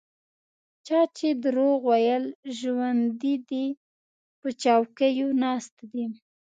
چا چې دروغ ویل ژوندي دي په چوکیو ناست دي.